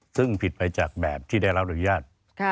ซึ่งผิดไปจากแบบที่ได้รับอนุญาต